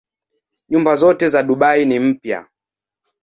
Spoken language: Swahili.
Nyumba zote za Dubai ni mpya.